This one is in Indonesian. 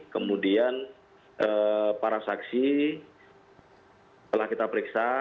kemudian para saksi telah kita periksa